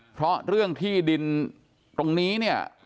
เพราะเรื่องที่ดินตรงนี้เนี่ย